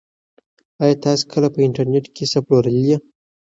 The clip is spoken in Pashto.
ایا تاسي کله په انټرنيټ کې څه پلورلي دي؟